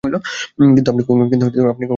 কিন্তু আপনি কখনো ফিরতে পারবেন না!